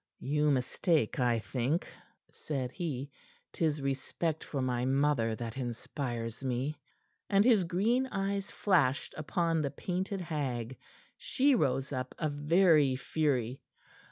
"You mistake, I think," said he. "'Tis respect for my mother that inspires me." And his green eyes flashed upon the painted hag. She rose up a very fury.